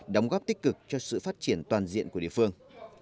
đóng góp tích cực cho sự phát triển toàn diện của địa phương